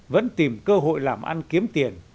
vẫn tìm cơ hội làm ăn kiếm tiền